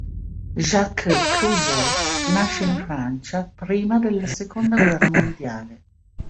Jacques Clouseau nasce in Francia prima della Seconda guerra mondiale.